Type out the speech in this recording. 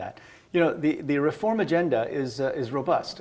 agenda reform adalah robust